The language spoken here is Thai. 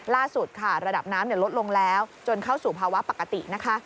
ล่าสุดค่ะระดับน้ำลดลงแล้วจนเข้าสู่ภาวะปกตินะคะ